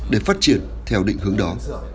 để phát triển theo định hướng đó